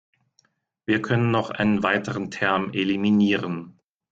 Wir können noch einen weiteren Term eliminieren.